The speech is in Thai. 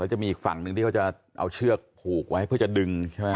จะมีอีกฝั่งหนึ่งที่เขาจะเอาเชือกผูกไว้เพื่อจะดึงใช่ไหม